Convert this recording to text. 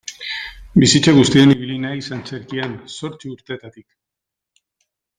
Bizitza guztian ibili naiz antzerkian, zortzi urtetatik.